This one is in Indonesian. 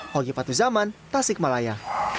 hogi patuzaman tasik malaya